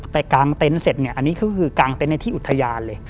กางเต็นต์เสร็จเนี่ยอันนี้ก็คือกางเต็นต์ในที่อุทยานเลย